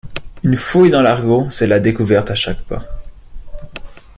Une fouille dans l’argot, c’est la découverte à chaque pas.